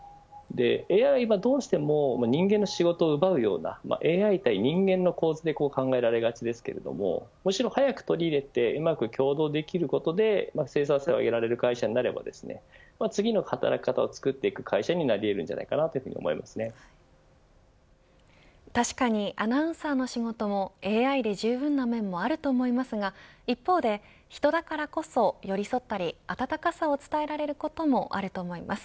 ＡＩはどうしても人間の仕事を奪うようなＡＩ、人間の構図で考えられがちですけれども早く取り入れてうまく共同できることで生産性を上げられる会社になれば次の働き方をつくっていく会社になり得るんじゃないかと確かにアナウンサーの仕事もＡＩでじゅうぶんな面もあると思いますが一方で、人だからこそ寄り添ったり暖かさを伝えられることもあると思います。